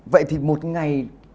vậy thì một ngày